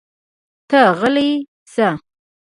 ته غلی شه!